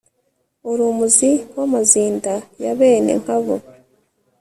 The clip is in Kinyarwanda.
uri umuzi w'amazinda yabene nkabo